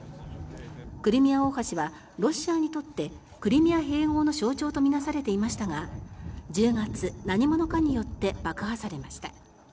クリミア大橋はロシアにとってクリミア併合の象徴と見なされていましたが１０月、何者かによって爆破されました。